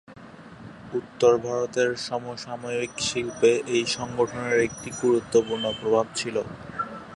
উত্তর ভারতের সমসাময়িক শিল্পে এই সংগঠনের একটি গুরুত্বপূর্ণ প্রভাব ছিল।